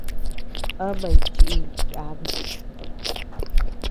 Amañ chiʼiy yabi.